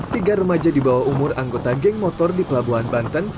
tiga remaja di bawah umur anggota geng motor di pelabuhan banten